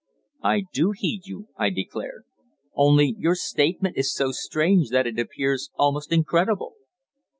"I do heed you," I declared. "Only your statement is so strange that it appears almost incredible."